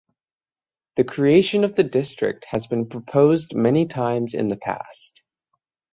The creation of the district has been proposed many times in the past.